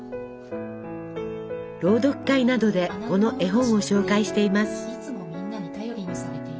朗読会などでこの絵本を紹介しています。